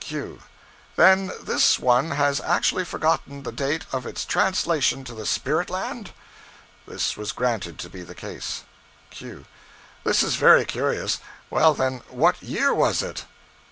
Q. Then this one has actually forgotten the date of its translation to the spirit land? This was granted to be the case. Q. This is very curious. Well, then, what year was it?